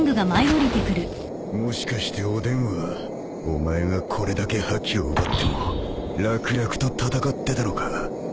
もしかしておでんはお前がこれだけ覇気を奪っても楽々と戦ってたのか？